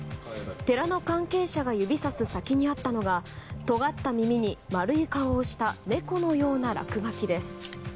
寺の関係者が指さす先にあったのがとがった耳に丸い顔をした猫のような落書きです。